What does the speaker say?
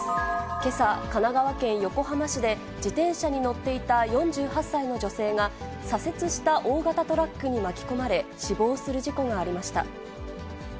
けさ、神奈川県横浜市で自転車に乗っていた４８歳の女性が、左折した大型トラックに巻き込まれ、死亡する事故がありました。